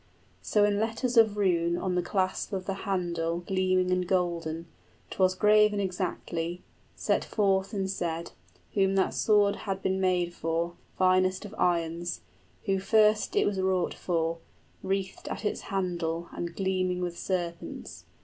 So in letters of rune on the clasp of the handle Gleaming and golden, 'twas graven exactly, 45 Set forth and said, whom that sword had been made for, Finest of irons, who first it was wrought for, Wreathed at its handle and gleaming with serpents.